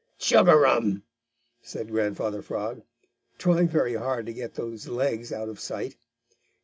"Chug a rum!" said Grandfather Frog, trying very hard to get those legs out of sight.